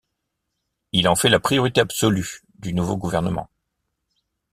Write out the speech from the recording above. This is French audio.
Il en fait la priorité absolue du nouveau gouvernement.